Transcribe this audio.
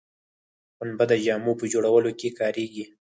پنبه د جامو په جوړولو کې کاریږي